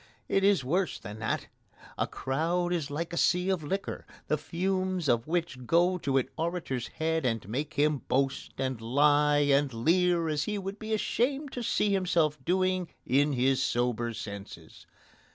It is worse than that. A crowd is like a sea of liquor, the fumes of which go to an orator's head and make him boast and lie and leer as he would be ashamed to see himself doing in his sober senses.